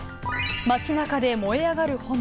街なかで燃え上がる炎。